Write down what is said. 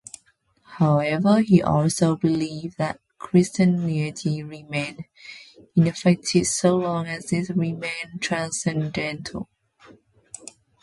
However, he also believed that Christianity remained ineffective so long as it remained transcendental.